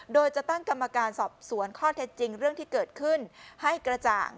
โดยจะตั้งกรรมการสอบสวนข้อเท็จจริงเรื่องที่เกิดขึ้นให้กระจ่าง